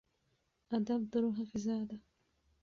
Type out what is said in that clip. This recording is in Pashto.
ادب د روح غذا ده.